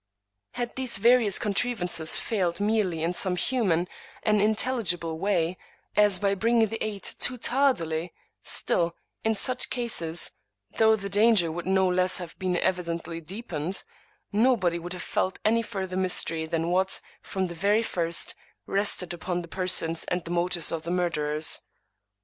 Had these various contrivances failed merely in some human and intelligible way, as by bringing the aid too tardily — still, in such cases, though the danger would no less have been evidently deepened, nobody would have felt any fur ther mystery than what, from the very first, rested upon the persons and the motives of the murderers.